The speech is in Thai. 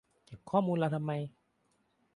เก็บข้อมูลเราทำไม ?